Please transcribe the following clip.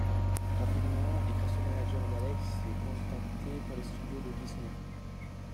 Rapidement et grâce au manager d'Alex, il est contacté par les studios de Disney.